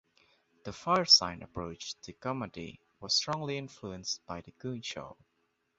The Firesign approach to comedy was strongly influenced by "The Goon Show".